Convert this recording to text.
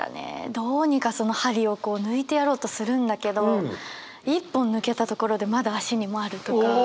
どうにかその針を抜いてやろうとするんだけど１本抜けたところでまだ足にもあるとか。